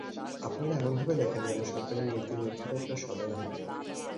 আপনারা এমনভাবে লেখেন যেন সরকারের নীতিনির্ধারকেরা সদয় হন।